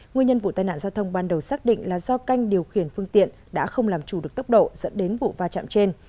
nguyên nhân vụ tai nạn giao thông ban đầu xác định là do canh điều khiển phương tiện đã không làm chủ được tốc độ dẫn đến vụ va chạm trên